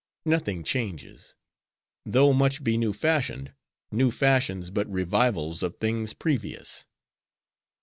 Nothing changes, though much be new fashioned: new fashions but revivals of things previous.